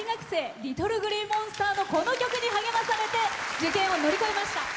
ＬｉｔｔｌｅＧｌｅｅＭｏｎｓｔｅｒのこの曲に励まされて受験を乗り越えました。